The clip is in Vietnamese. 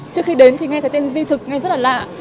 trước khi đến thì nghe cái tên di thực ngay rất là lạ